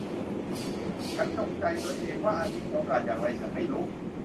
ฉันจูงใจตัวเองว่าอันนี้มีโอกาสอย่างไร ฉันไม่รู้